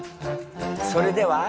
それでは。